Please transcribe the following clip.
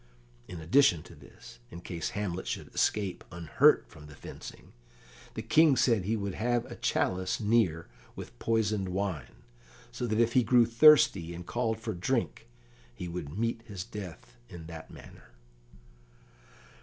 In addition to this, in case Hamlet should escape unhurt from the fencing, the King said he would have a chalice near with poisoned wine, so that if he grew thirsty, and called for drink, he would meet his death in that manner.